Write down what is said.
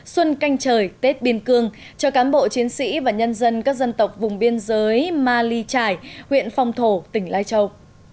xuân canh trời tết biên cương cho cán bộ chiến sĩ và nhân dân các dân tộc vùng biên giới ma ly trải huyện phong thổ tỉnh lai châu